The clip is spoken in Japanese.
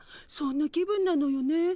そんな気分なのよね。